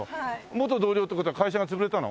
元同僚って事は会社が潰れたの？